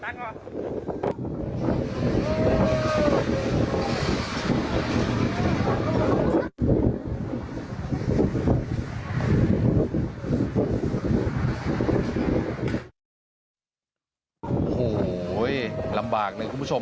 โอ้โหลำบากหนึ่งคุณผู้ชม